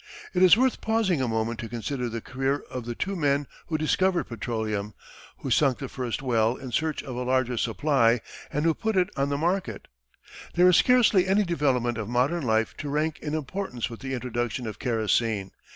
It is worth pausing a moment to consider the career of the two men who discovered petroleum, who sunk the first well in search of a larger supply, and who put it on the market. There is scarcely any development of modern life to rank in importance with the introduction of kerosene.